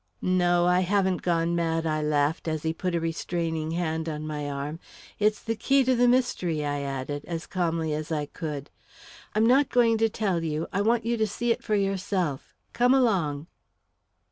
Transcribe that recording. "No, I haven't gone mad," I laughed, as he put a restraining hand on my arm. "It's the key to the mystery," I added, as calmly as I could. "I'm not going to tell you I want you to see it for yourself. Come along."